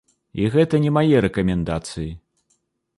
І гэта не мае рэкамендацыі.